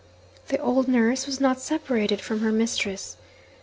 The old nurse was not separated from her mistress.